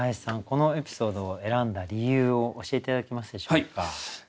このエピソードを選んだ理由を教えて頂けますでしょうか。